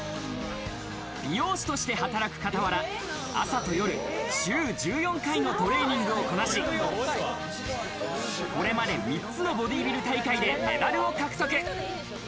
美容師として働く傍ら、朝と夜、週１４回のトレーニングをこなし、これまで３つのボディビル大会でメダルを獲得。